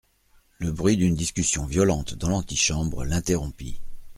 Le bruit d'une discussion violente dans l'antichambre l'interrompit.